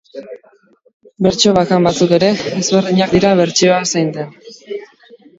Bertso bakan batzuk ere ezberdinak dira bertsioa zein den.